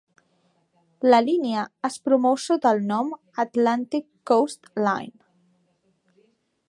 La línia es promou sota el nom "Atlantic Coast Line".